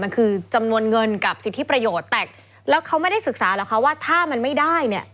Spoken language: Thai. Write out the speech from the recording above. มันคือจำนวนเงินกับสิทธิประโยชน์แต่แล้วเขาไม่ได้ศึกษาหรอกคะว่าถ้ามันไม่ได้เนี่ย